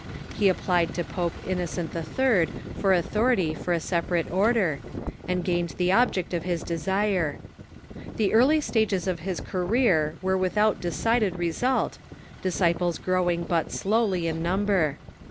He applied to Pope Innocent III. for authority for a separate order, and gained the object of his desire. The early stages of his career were without decided result, disciples growing but slowly in number.